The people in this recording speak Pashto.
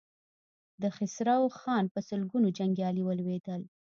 د خسرو خان په سلګونو جنګيالي ولوېدل.